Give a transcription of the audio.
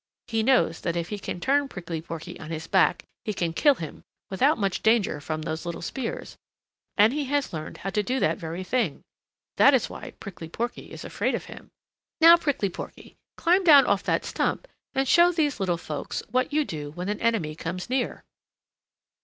He knows that if he can turn Prickly Porky on his back he can kill him without much danger from those little spears, and he has learned how to do that very thing. That is why Prickly Porky is afraid of him. Now, Prickly Porky, climb down off that stump and show these little folks what you do when an enemy comes near."